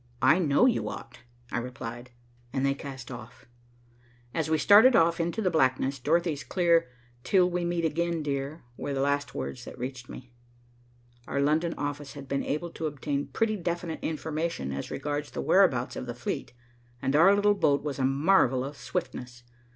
"I know you ought," I replied, and they cast off. As we started off into the blackness, Dorothy's clear "Till we meet again, dear," were the last words that reached me. Our London office had been able to obtain pretty definite information as regards the whereabouts of the fleet, and our little boat was a marvel of swiftness.